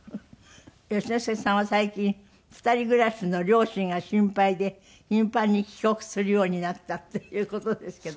善之介さんは最近二人暮らしの両親が心配で頻繁に帰国するようになったっていう事ですけど。